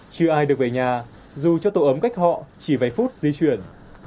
chưa ai được về nhà dù cho tổ ấm cách họ chỉ vài phút di chuyển